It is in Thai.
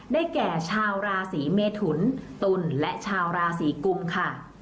แก่ชาวราศีเมทุนตุลและชาวราศีกุมค่ะ